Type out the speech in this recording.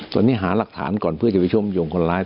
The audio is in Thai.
ตอนนี้หาหลักฐานก่อนเพื่อจะไปเชื่อมโยงคนร้าย